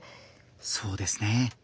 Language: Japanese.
そうですね。